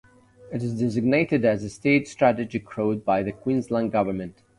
It is designated as a State Strategic Road by the Queensland Government.